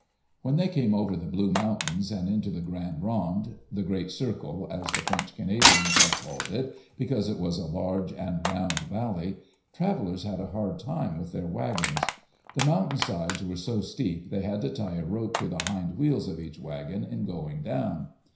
When they came over the Blue Mountains and into the Grande Ronde — the Great Circle, as the French Cana dians had called it, because it was a large and round valley — travelers had a hard time with their wagons. The Digitized by CjOOQ IC EARLY DAYS IN OLD OREGON mountain sides were so steep they had to tie a rope to the hind wheels of each wagon in going down.